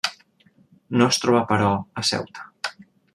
No es troba però, a Ceuta.